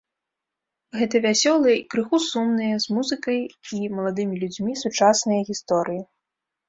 Гэта вясёлыя і крыху сумныя, з музыкай і маладымі людзьмі сучасныя гісторыі.